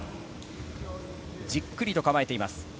じっくりと構えています。